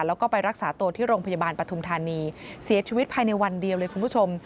แล้วก็ไปรักษาตัวที่โรงพยาบาลปฐุมธานีเสียชีวิตภายในวันเดียวเลยคุณผู้ชม